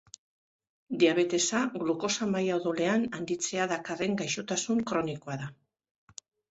Diabetesa glukosa maila odolean handitzea dakarren gaixotasun kronikoa da.